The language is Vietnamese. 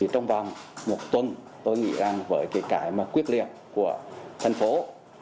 trong vòng một tuần tôi nghĩ rằng với cái quyết liệt của tp hcm